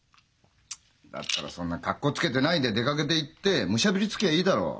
だったらそんなかっこつけてないで出かけていってむしゃぶりつきゃいいだろう。